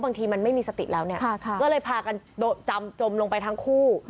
บางทีมันไม่มีสติกแล้วก็เลยจมลงไปทั้งคู่